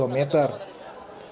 tanaman koleksi kebun raya bogor